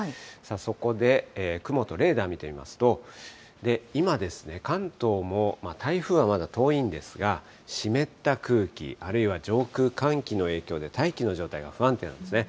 そこで、雲とレーダー見てみますと、今、関東も台風はまだ遠いんですが、湿った空気、あるいは上空寒気の影響で、大気の状態が不安定なんですね。